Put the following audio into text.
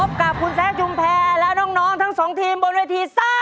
พบกับคุณแซคชุมแพรและน้องทั้งสองทีมบนเวทีซ่า